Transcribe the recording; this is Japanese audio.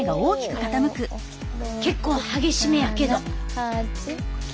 あら結構激し目やけど。